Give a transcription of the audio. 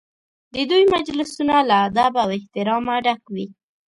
د دوی مجلسونه له ادب او احترامه ډک وي.